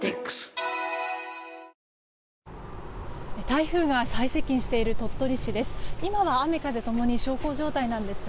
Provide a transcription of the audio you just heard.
台風が最接近している鳥取市です。